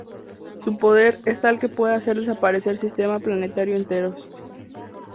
Su poder es tal que pueden hacer desaparecer sistemas planetarios enteros.